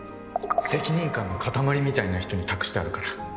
責任感の塊みたいな人に託してあるから。